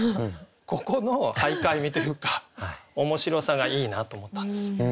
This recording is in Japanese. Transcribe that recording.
ここの俳諧味というか面白さがいいなと思ったんですよ。